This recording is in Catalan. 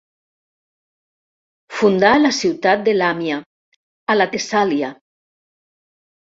Fundà la ciutat de Làmia, a la Tessàlia.